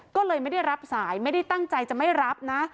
ก็เลยไม่ได้รับสายไม่ได้ตั้งใจจะไม่รับนะ